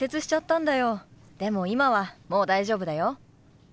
でも今はもう大丈夫だよ。